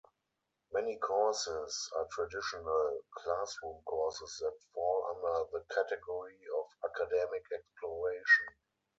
Many courses are traditional classroom courses that fall under the category of "Academic Exploration".